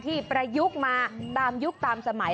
ประยุกต์มาตามยุคตามสมัย